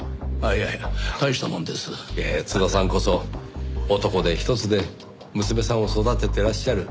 いやいや津田さんこそ男手一つで娘さんを育ててらっしゃる。